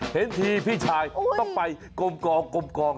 เห็นที่พี่ชายต้องไปกลมกล้อง